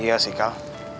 iya sih kal